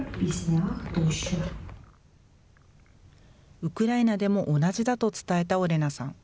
ウクライナでも同じだと伝えたオレナさん。